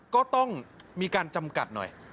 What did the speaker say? ก็ต้องมีการจำกัดหน่อย